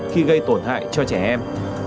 khi gây tổn hại cho trẻ em